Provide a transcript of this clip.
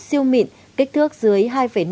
siêu mịn kích thước dưới hai năm